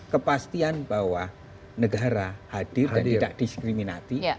kepastian bahwa negara hadir dan tidak diskriminati